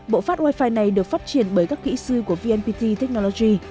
bộ phát wifi này được phát triển bởi các kỹ sư của vnpt technology